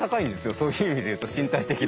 そういう意味で言うと身体的な。